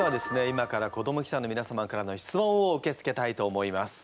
今から子ども記者のみなさまからの質問を受け付けたいと思います。